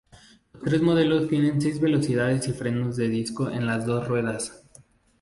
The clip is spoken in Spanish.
Los tres modelos tienen seis velocidades y frenos de disco en las dos ruedas.